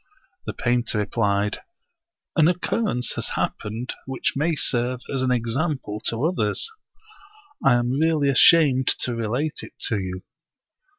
The painter replied, "An occurrence has hap pened which may serve as an example to others; I am really ashamed to relate it to you."